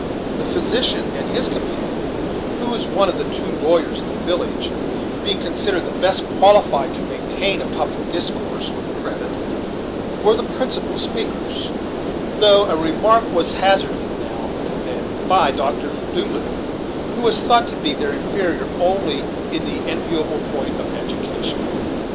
The physician and his companion, who was one of the two lawyers of the village, being considered the best qualified to maintain a public discourse with credit, were the principal speakers, though a remark was hazarded, now and then, by Mr. Doolittle, who was thought to be their inferior only in the enviable point of education.